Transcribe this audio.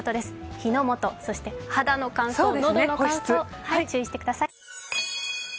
火の元、そして肌の乾燥喉の乾燥注意してください。